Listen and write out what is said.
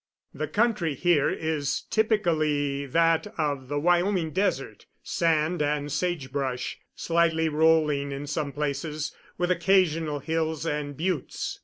The country here is typically that of the Wyoming desert sand and sagebrush slightly rolling in some places, with occasional hills and buttes.